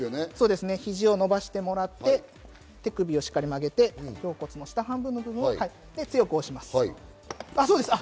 肘を伸ばしてもらって、手首をしっかり曲げて、胸骨の下半分の部分を強く押します。